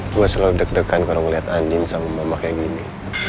gue selalu deg degan kalau ngeliat andin sama mama kayak gini